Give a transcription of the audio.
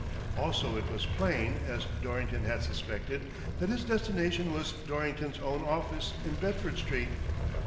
Also it was plain, as Dorrington had suspected, that his destination was Dorring ton's own office in Bedford Street.